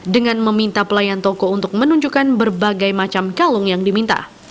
dengan meminta pelayan toko untuk menunjukkan berbagai macam kalung yang diminta